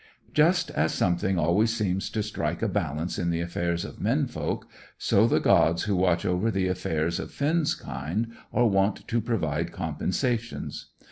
Just as something always seems to strike a balance in the affairs of men folk, so the gods who watch over the affairs of Finn's kind are wont to provide compensations.